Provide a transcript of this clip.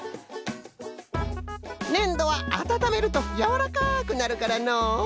ねんどはあたためるとやわらかくなるからのう。